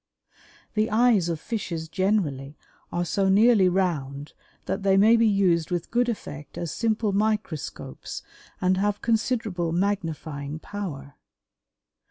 The eyes of fishes generally are so nearly round that they may be used with good effect as simple microscopes and have considerable magnifying power.